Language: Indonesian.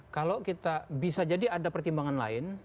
kalau kita bisa jadi ada pertimbangan lain